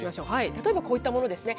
例えばこういったものですね。